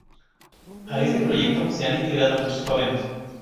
A este proyecto se han integrado muchos jóvenes.